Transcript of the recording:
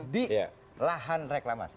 di lahan reklamasi